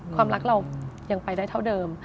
ความรักเรายังไปได้เท่าเดิม